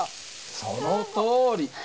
そのとおり。